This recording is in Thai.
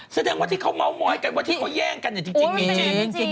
แสดงว่าที่เขาเมาส์มอยกันว่าที่เขาแย่งกันเนี่ยจริงมีจริง